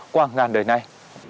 qua ngàn đời này